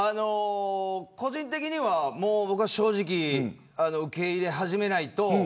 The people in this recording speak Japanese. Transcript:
個人的には僕は正直受け入れ始めないと。